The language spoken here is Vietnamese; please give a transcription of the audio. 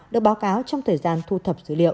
được báo cáo trong thời gian thu thập dữ liệu